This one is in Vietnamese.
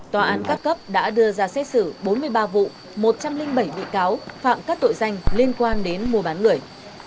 tòa án các cấp đã đưa ra xét xử bốn mươi ba vụ một trăm linh bảy bị cáo phạm các tội danh liên quan đến mua bán người